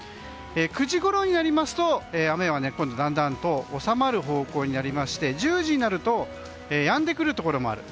９時ごろになりますと雨はだんだん収まる方向になりまして１０時になるとやんでくるところもある。